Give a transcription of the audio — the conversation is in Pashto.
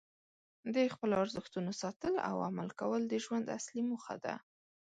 د خپلو ارزښتونو ساتل او عمل کول د ژوند اصلي موخه ده.